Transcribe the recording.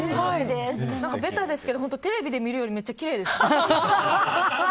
ベタですけどテレビで見るよりめっちゃきれいですね。